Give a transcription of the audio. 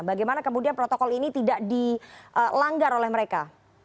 bagaimana kemudian protokol ini tidak dilanggar oleh mereka